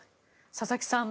佐々木さん